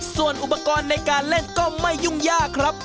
ส่วนอุปกรณ์ในการเล่นก็ไม่ยุ่งยากครับ